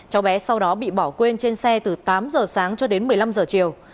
cháu bé sau đó bị bỏ quên trên xe từ tám giờ sáng cho đến một mươi năm giờ chiều